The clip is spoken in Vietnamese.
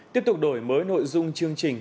tiếp tục đổi mới nội dung chương trình